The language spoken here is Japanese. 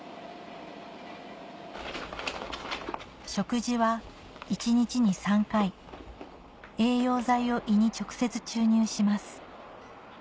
食事は一日に３回栄養剤を胃に直接注入します